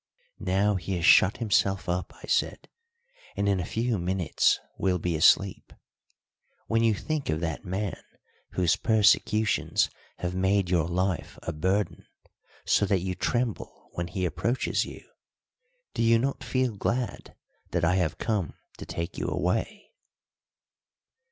"Now he has shut himself up," I said, "and in a few minutes will be asleep. When you think of that man whose persecutions have made your life a burden, so that you tremble when he approaches you, do you not feel glad that I have come to take you away?"